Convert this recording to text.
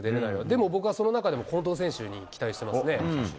でも僕はその中でも近藤選手に期待してますね。